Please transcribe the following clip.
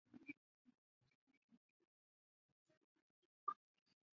黎文敔是南定省春长府胶水县万禄社人。